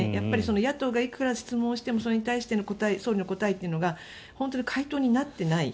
野党がいくら質問をしてもそれに対しての総理の答えというのが本当に回答になっていない。